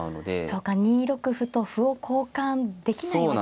そうか２六歩と歩を交換できないわけですね。